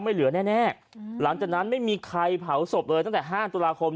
ไม่เหลือแน่แน่หลังจากนั้นไม่มีใครเผาศพเลยตั้งแต่ห้าตุลาคม